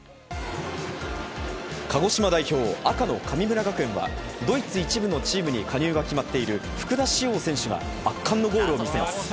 鹿児島代表、赤の神村学園は、ドイツ１部のチームに加入が決まっている福田師王選手が圧巻のゴールを見せます。